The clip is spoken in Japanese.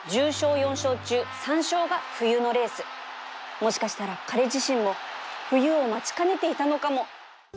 もしかしたら彼自身も冬を待ちかねていたのかも